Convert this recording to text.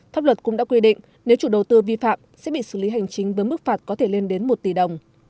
pháp luật cũng đã quy định nếu chủ đầu tư vi phạm sẽ bị xử lý hành chính với mức phạt có thể lên đến một tỷ đồng